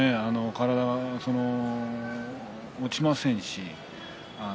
体が落ちませんし。